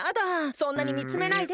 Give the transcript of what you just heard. そんなにみつめないで。